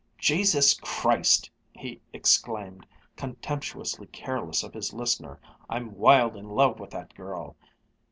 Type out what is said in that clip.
"Jesus Christ!" he exclaimed, contemptuously careless of his listener, "I'm wild in love with that girl!"